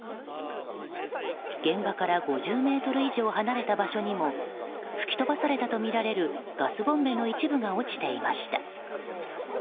現場から５０ｍ以上離れた場所にも吹き飛ばされたとみられるガスボンベの一部が落ちていました。